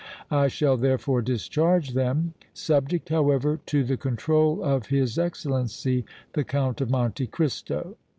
I shall, therefore, discharge them, subject, however, to the control of his Excellency, the Count of Monte Cristo.